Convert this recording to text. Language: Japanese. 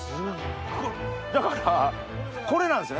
だからこれなんですよね。